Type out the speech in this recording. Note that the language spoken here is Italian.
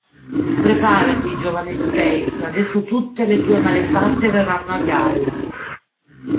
"Preparati giovane Space, adesso tutte le tue malefatte verranno a galla.